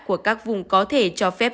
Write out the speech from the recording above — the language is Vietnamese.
của các vùng có thể cho phép